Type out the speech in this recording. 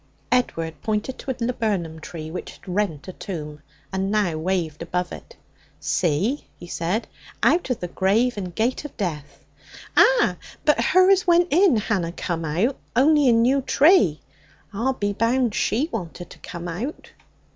Edward pointed to a laburnum tree which had rent a tomb, and now waved above it. 'See,' he said. 'Out of the grave and gate of death ' 'Ah! But her as went in hanna come out. On'y a new tree. I'll be bound she wanted to come out.'